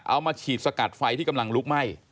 เอามาฉีดสกัดไฟที่กำลังลุกไหม้